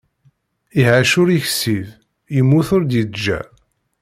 Iɛac ur yeksib, yemmut ur d-yeǧǧa.